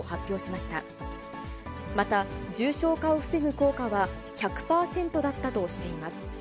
また、重症化を防ぐ効果は１００％だったとしています。